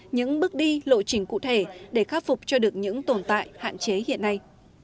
những bước đi lộ trình cụ thể để khắc phục cho được những tồn tại hạn chế hiện nay